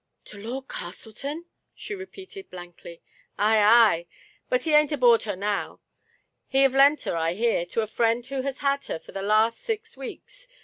"To Lord Castleton T' she repeated blankly. " Ay, ay ! but he aint aboard her now ; he have lent her, I hear, to a friend who has had her for the last SIX weeks.